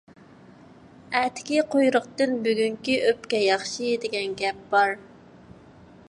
«ئەتىكى قۇيرۇقتىن بۈگۈنكى ئۆپكە ياخشى» دېگەن گەپ بار.